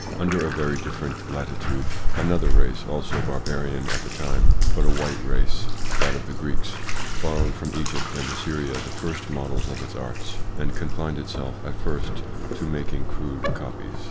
Under a very different latitude, another race, also barbarian at the time, but a white race, that of the Greeks, borrowed from Egypt and Assyria the first models of its arts and confined itself at first to making crude copies.